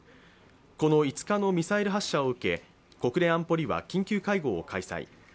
この５日のミサイル発射を受け国連安保理は緊急会合を開催。